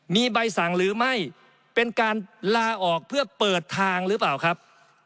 มีใบสั่งหรือไม่เป็นการลาออกเพื่อเปิดทางหรือเปล่าครับ